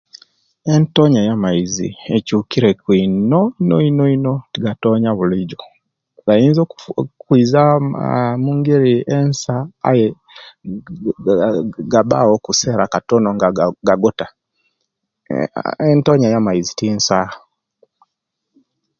Entonya eyamaize ekyukire ku ino ino ino tigatonya bulijo gayinza okwiza mungeri ensa aye gabawo akasera katono nga gagota entonya ya'maizi tinsa